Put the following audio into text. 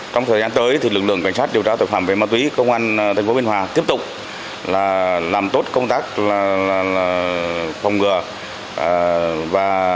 trong thời gian tới lực lượng cảnh sát điều tra tội phạm về ma túy công an tp hcm tiếp tục làm tốt công tác phòng ngừa